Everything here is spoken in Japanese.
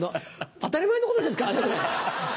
当たり前のことですからね。